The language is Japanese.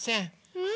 うん？